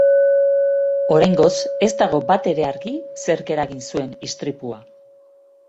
Oraingoz ez dago batere argi zerk eragin zuen istripua.